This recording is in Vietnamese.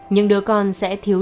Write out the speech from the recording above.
nhưng đứa con sẽ thiếu đi